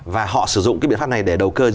và họ sử dụng cái biện pháp này để đầu cơ